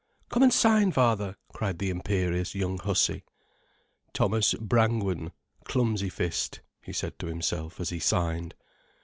"Come and sign, father," cried the imperious young hussy. "Thomas Brangwen—clumsy fist," he said to himself as he signed.